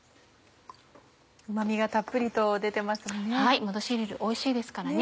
うま味がたっぷりと出てますね。